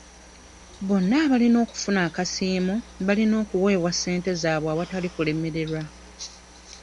Bonna abalina okufuna akasiimo balina okuweebwa ssente zaabwe awatali kulemererwa